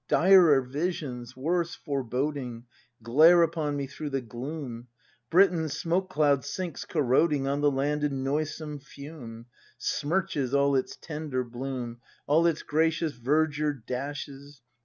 Direr visions, worse foreboding. Glare upon me through the gloom! Britain's smoke cloud sinks corroding On the land in noisome fume; Smirches all its tender bloom. All its gracious verdure dashes.